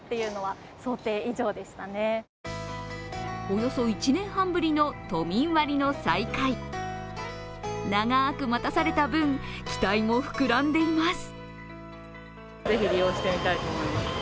およそ１年半ぶりの都民割の再開長く待たされた分、期待も膨らんでいます。